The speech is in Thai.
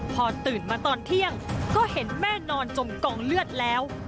พอตื่นมาตอนเที่ยงก็เห็นแม่นอนจมกองเลือดแล้ว